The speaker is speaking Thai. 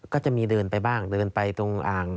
ก็จะมีเดินไปบ้างเดินไปตรงอ่าง